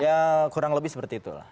ya kurang lebih seperti itulah